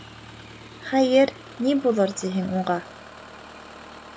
Хәйер, ни булыр тиһең уға...